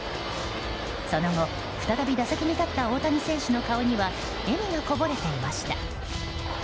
その後、再び打席に立った大谷選手の顔には笑みがこぼれていました。